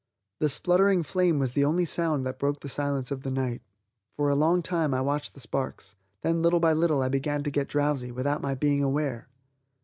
The spluttering flame was the only sound that broke the silence of the night. For a long time I watched the sparks, then little by little I began to get drowsy, without my being aware.